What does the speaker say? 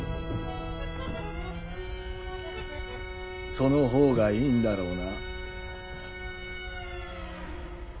そのほうがいいんだろうな。